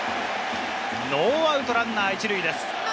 ノーアウトランナー１塁です。